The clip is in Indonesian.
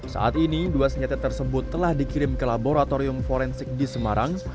saat ini dua senjata tersebut telah dikirim ke laboratorium forensik di semarang